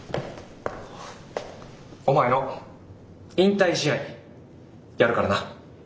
お前の引退試合やるからな。